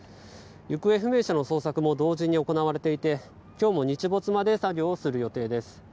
行方不明者の捜索も同時に行われていて今日も日没まで作業する予定です。